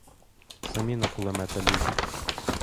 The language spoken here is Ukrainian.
Самі на кулемета лізуть.